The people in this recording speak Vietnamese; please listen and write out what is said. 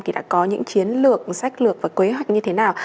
thì đã có những chiến lược sách lược và kế hoạch như thế nào